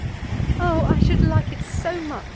"Oh, I should like it so much!"